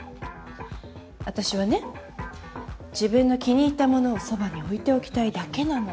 私はね自分の気に入ったものをそばに置いておきたいだけなの。